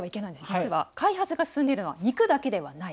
実は開発が進んでいるのは肉だけではない。